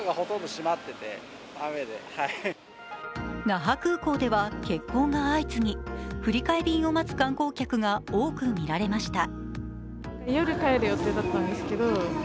那覇空港では欠航が相次ぎ、振り替え便を待つ観光客が多くみられました。